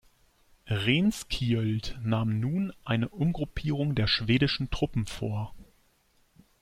Rehnskiöld nahm nun eine Umgruppierung der schwedischen Truppen vor.